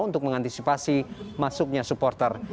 untuk mengantisipasi masuknya supporter